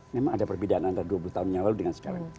memang ada perbedaan antara dua puluh tahun yang lalu dengan sekarang